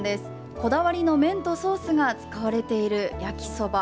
こだわりの麺とソースが使われている焼きそば。